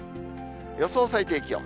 予想最低気温。